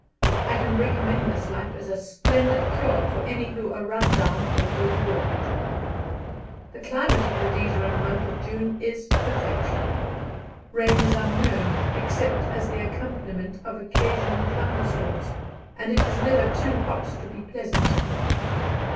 I can recommend this life as a splendid cure for any who are run down or overworked. The climate of Rhodesia in the month of June is perfection; rain is unknown, except as the accompaniment of occasional thunderstorms; and it is never too hot to be pleasant.